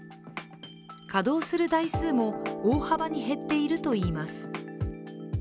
稼働する台数も大幅に減っているといいます。